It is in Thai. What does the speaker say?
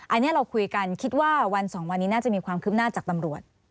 อันนี้เราคุยกันคิดว่าวันสองวันนี้น่าจะมีความคืบหน้าจากตำรวจ